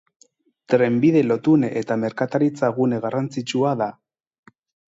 Trenbide lotune eta merkataritza-gune garrantzitsua da.